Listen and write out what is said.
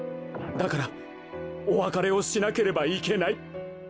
だからおわかれをしなければいけない。